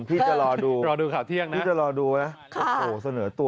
พี่จะรอดูรอดูข่าวเที่ยงนะ